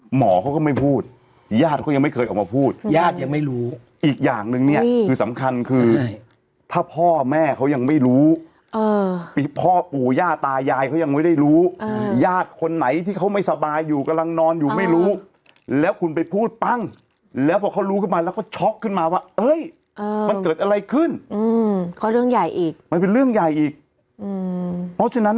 หมอเขาก็ไม่พูดญาติเขายังไม่เคยออกมาพูดญาติยังไม่รู้อีกอย่างหนึ่งเนี่ยคือสำคัญคือถ้าพ่อแม่เขายังไม่รู้มีพ่อปู่ย่าตายายเขายังไม่ได้รู้ญาติคนไหนที่เขาไม่สบายอยู่กำลังนอนอยู่ไม่รู้แล้วคุณไปพูดปั้งแล้วพอเขารู้ขึ้นมาแล้วก็ช็อกขึ้นมาว่าเอ้ยมันเกิดอะไรขึ้นเขาเรื่องใหญ่อีกมันเป็นเรื่องใหญ่อีกเพราะฉะนั้น